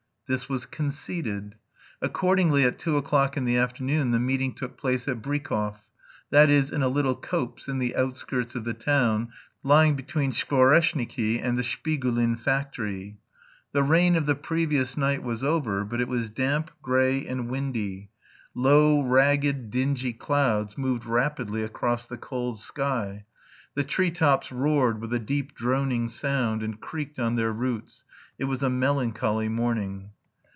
This was conceded. Accordingly at two o'clock in the afternoon the meeting took place at Brykov, that is, in a little copse in the outskirts of the town, lying between Skvoreshniki and the Shpigulin factory. The rain of the previous night was over, but it was damp, grey, and windy. Low, ragged, dingy clouds moved rapidly across the cold sky. The tree tops roared with a deep droning sound, and creaked on their roots; it was a melancholy morning.